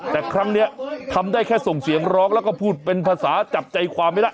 แต่ครั้งนี้ทำได้แค่ส่งเสียงร้องแล้วก็พูดเป็นภาษาจับใจความไม่ได้